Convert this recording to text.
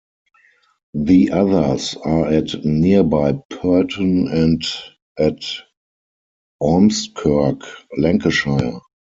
The others are at nearby Purton and at Ormskirk, Lancashire.